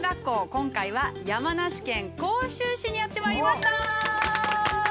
今回は山梨県甲州市にやってまいりました！